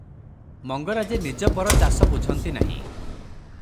ମଙ୍ଗରାଜେ ନିଜ ପର ଚାଷ ବୁଝନ୍ତି ନାହିଁ ।